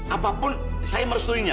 apapun saya merestuinya